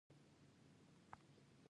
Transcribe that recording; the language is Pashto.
دا باید خلکو ته منفي اغیز ونه لري.